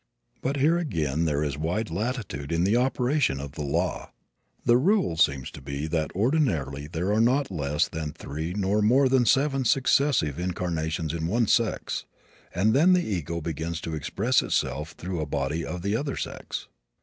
But here again there is wide latitude in the operation of the law. The rule seems to be that ordinarily there are not less than three nor more than seven successive incarnations in one sex, and then the ego begins to express itself through a body of the other sex.